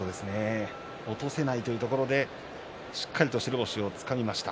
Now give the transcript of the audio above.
落とせないというところでしっかりと白星をつかみました。